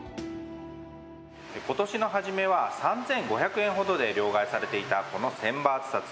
今年の初めは３５００円ほどで両替されていたこの１０００バーツ札。